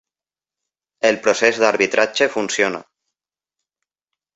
El procés d'arbitratge funciona.